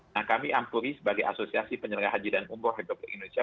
nah kami ampuri sebagai asosiasi penyelenggara haji dan umroh republik indonesia